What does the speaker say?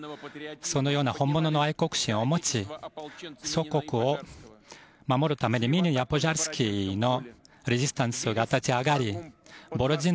そのような本物の愛国心を持ち祖国を守るためにレジスタンスが立ち上がり